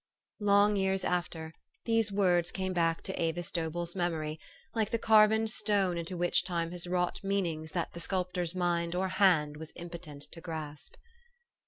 Long years after, these words came back to Avis 228 THE STOKY OF AVIS. DobelTs memory, like the carven stone into which time has wrought meanings that the sculptor's mind or hand was impotent to grasp.